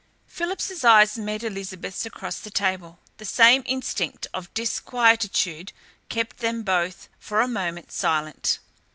Philip's eyes met Elizabeth's across the table. The same instinct of disquietude kept them both, for a moment, silent.